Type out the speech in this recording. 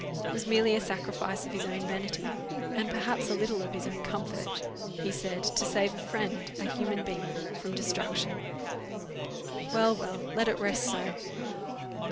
It was merely a sacrifice of his own vanity, and perhaps a little of his own comfort, he said, to save a friend, a human being, from destruction. "Well, well, let it rest so."